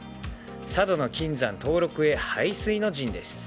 佐渡の金山登録へ背水の陣です。